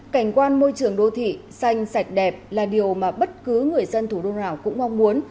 cảnh quan môi trường đô thị xanh sạch đẹp là điều mà bất cứ người dân thủ đô nào cũng mong muốn